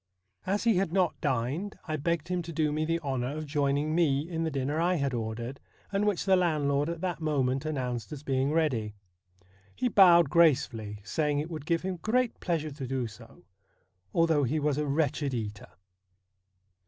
As he had not dined I begged him to do me the honour of joining me in the dinner I had ordered, and which the landlord at that moment announced as being ready. He bowed grace fully, saying it would give him great pleasure to do so, although he was a wretched eater.